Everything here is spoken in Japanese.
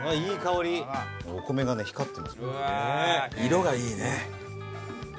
色がいいね。